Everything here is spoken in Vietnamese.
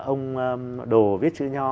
ông đồ viết chữ nho